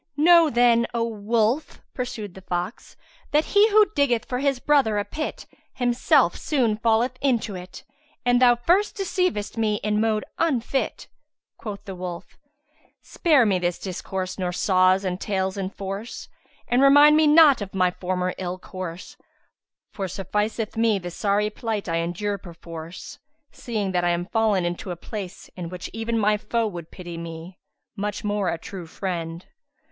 "Know, then, O wolf!" (pursued the fox), "that he who diggeth for his brother a pit himself soon falleth into it, and thou first deceivedst me in mode unfit." Quoth the wolf, "Spare me this discourse nor saws and tales enforce, and remind me not of my former ill course, for sufficeth me the sorry plight I endure perforce, seeing that I am fallen into a place, in which even my foe would pity me, much more a true friend.